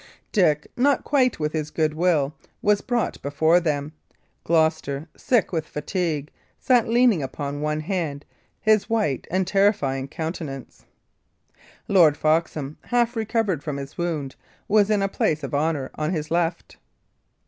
Dick, not quite with his good will, was brought before them. Gloucester, sick with fatigue, sat leaning upon one hand his white and terrifying countenance; Lord Foxham, half recovered from his wound, was in a place of honour on his left.